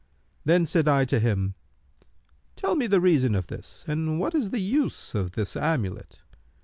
Then said I to him, 'Tell me the reason of this and what is the use of this amulet.'